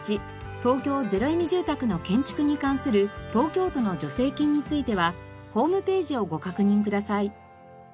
東京ゼロエミ住宅の建築に関する東京都の助成金についてはホームページをご確認ください。